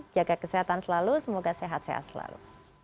jaga kesehatan selalu semoga sehat sehat selalu